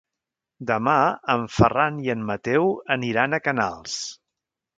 Demà en Ferran i en Mateu aniran a Canals.